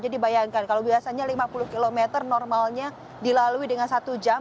jadi bayangkan kalau biasanya lima puluh kilometer normalnya dilalui dengan satu jam